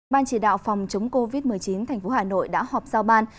ban chỉ đạo phòng chống covid một mươi chín tp hà nội đã họp giao ban